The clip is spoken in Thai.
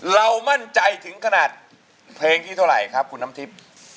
เรามั่นใจถึงขนาดเพลงที่เท่าไหร่ครับคุณน้ำทิพย์